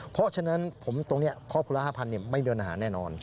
เพราะฉะนั้นผมตรงนี้ข้อภูระ๕๐๐๐ไม่มีปัญหาแน่นอน